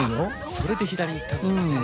それで左行ったんですかね。